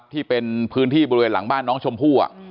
ที่เป็นพื้นที่บริเวณหลังบ้านน้องชมพู่